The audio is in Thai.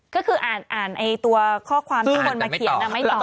ก็คืออ่านอ่านไอ้ตัวข้อความที่คนมาเขียนอ่าไม่ตอบ